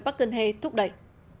bác cần hê thúc đẩy